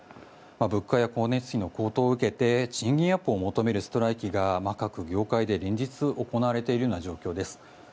物価や光熱費の高騰を受けて賃金アップを求めるストライキが各業界で連日行われている状況です。